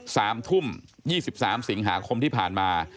สามทุ่มยี่สิบสามสิงหาคมที่ผ่านมา